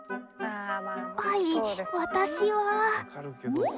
「はい私は」。